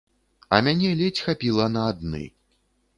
А мяне ледзь хапіла на адны.